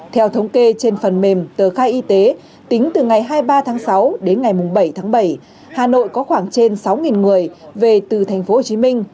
theo thống kê trên phần mềm tờ khai y tế tính từ ngày hai mươi ba tháng sáu đến ngày bảy tháng bảy hà nội có khoảng trên sáu người về từ tp hcm